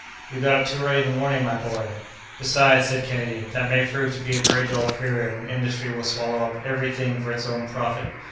"You got up too early in the morning, my boy!" "Besides," said Kennedy, "that may prove to be a very dull period when industry will swallow up every thing for its own profit.